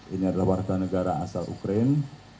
ini adalah warga negara asal ukraine